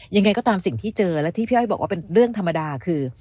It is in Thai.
ยังไงก็ตามสิ่งที่เจอและที่พี่อ้อยบอกว่าเป็นเรื่องธรรมดาคือ